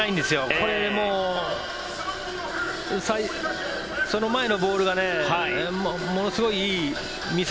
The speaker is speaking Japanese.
これ、その前のボールがものすごいいい見せ